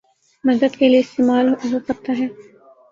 مدد کے لیے استعمال ہو سکتا ہے